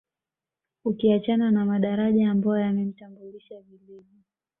Ukiachana na madaraja ambayo yamemtambulisha vilivyo